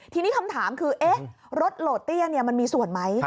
ทีนี้คำถามคือรถโหลดเตี้ยมันมีส่วนไหม